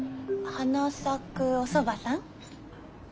花咲おそばさん？